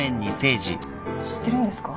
知ってるんですか？